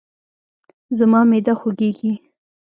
زما معده خوږیږي